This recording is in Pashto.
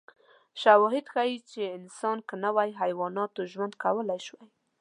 شواهد ښيي چې انسان که نه وای، حیواناتو ژوند کولای شوی.